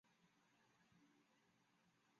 它以俄亥俄州托莱多命名。